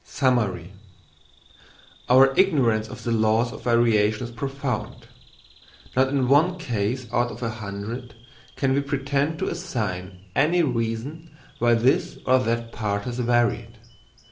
Summary.—Our ignorance of the laws of variation is profound. Not in one case out of a hundred can we pretend to assign any reason why this or that part has varied.